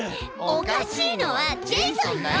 おかしいのはジェイソンよ！